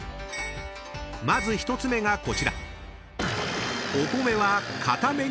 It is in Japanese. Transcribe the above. ［まず１つ目がこちら］